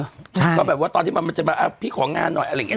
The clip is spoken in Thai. ใช่ก็แบบว่าตอนที่มันมันจะมาอ้าวพี่ของงานหน่อยอะไรอย่างงี้